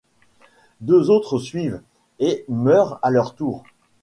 Deux autres suivent, et meurent à leur tour.